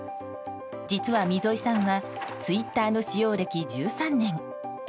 実は、溝井さんはツイッターの使用歴１３年。